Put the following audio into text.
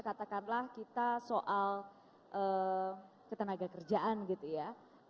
katakanlah kita soal ketenaga kerjaan gitu ya